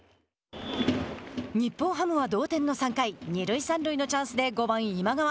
日本ハムは同点の３回二塁三塁のチャンスで５番今川。